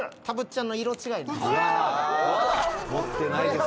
「たぶっちゃんの色違い」